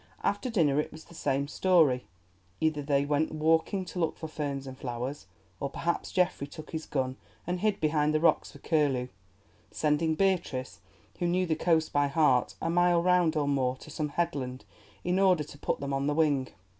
After dinner it was the same story. Either they went walking to look for ferns and flowers, or perhaps Geoffrey took his gun and hid behind the rocks for curlew, sending Beatrice, who knew the coast by heart, a mile round or more to some headland in order to put them on the wing.